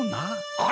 あれ？